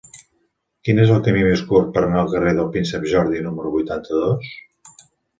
Quin és el camí més curt per anar al carrer del Príncep Jordi número vuitanta-dos?